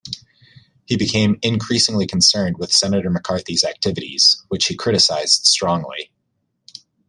He became increasingly concerned with Senator McCarthy's activities, which he criticized strongly.